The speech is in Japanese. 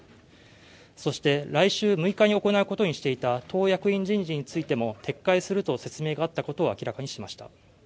そして来週６日に行うことにしていた党役員人事についても撤回すると説明があったことを明らかにしました。